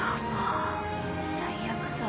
最悪だ。